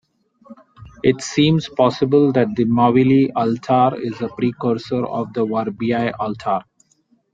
It seems possible that the Mavilly altar is a precursor of the Verbeia altar.